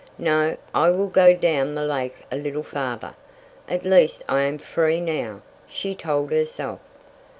"No, I will go down the lake a little farther. At least I am free now," she told herself.